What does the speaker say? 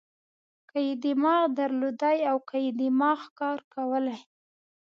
که یې دماغ درلودای او که یې دماغ کار کولای.